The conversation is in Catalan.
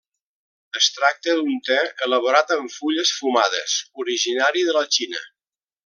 Es tracta d'un te elaborat amb fulles fumades originari de la Xina.